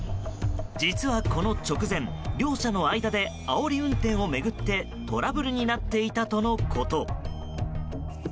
実はこの直前、両者の間であおり運転を巡ってトラブルになっていたとのこと。